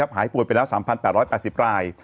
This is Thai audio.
หายป่วยไปแล้ว๓๘๘๐ราย